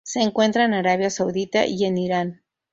Se encuentra en Arabia Saudita y en Irán.